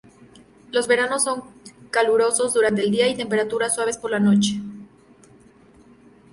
Los veranos son calurosos durante el día y temperaturas suaves por la noche.